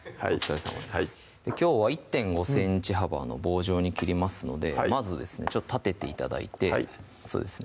きょうは１．５ｃｍ幅の棒状に切りますのでまずですね立てて頂いてそうですね